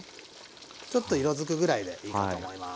ちょっと色づくぐらいでいいかと思います。